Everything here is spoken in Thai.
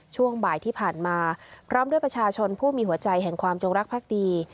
ช่วงบ่ายที่ผ่านมาพร้อมด้วยประชาชนผู้มีหัวใจแห่งความจงรักภักดี